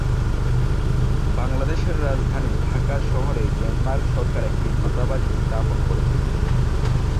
বাংলাদেশের রাজধানী ঢাকা শহরে ডেনমার্ক সরকার একটি দূতাবাস স্থাপন করে।